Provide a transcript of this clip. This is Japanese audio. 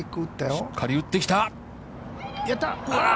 しっかり打ってきた。